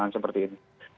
jangan seperti ini